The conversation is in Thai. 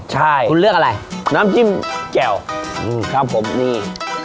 ใช่คุณเลือกอะไรน้ำจิ้มแจ่วครับผมนี่